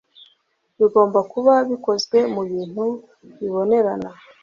bigomba kuba bikozwe mu bintu bibonerana